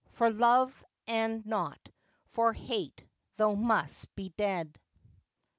'foe love and not for hate thou must be ded.'